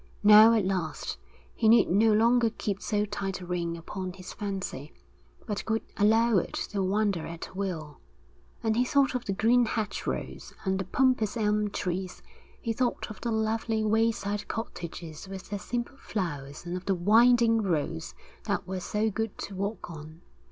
Now at last he need no longer keep so tight a rein upon his fancy, but could allow it to wander at will; and he thought of the green hedgerows and the pompous elm trees; he thought of the lovely wayside cottages with their simple flowers and of the winding roads that were so good to walk on.